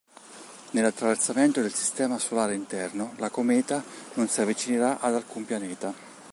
Nell'attraversamento del sistema solare interno, la cometa non si avvicinerà ad alcun pianeta.